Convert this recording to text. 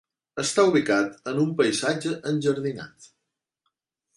Està ubicat en un paisatge enjardinat.